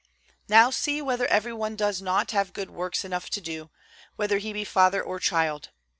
Now see whether every one does not have good works enough to do, whether he be father or child.